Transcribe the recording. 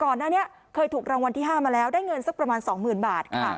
ก่อนหน้านี้เคยถูกรางวัลที่๕มาแล้วได้เงินสักประมาณ๒๐๐๐บาทค่ะ